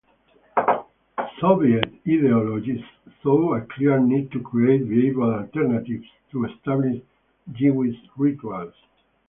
Soviet ideologists saw a clear need to create viable alternatives to established Jewish rituals.